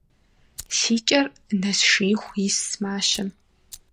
- Си кӏэр нэсшииху ис мащэм.